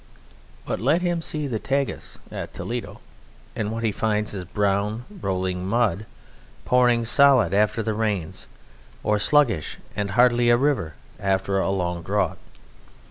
But let him see the Tagus at Toledo, and what he finds is brown rolling mud, pouring solid after the rains, or sluggish and hardly a river after long drought.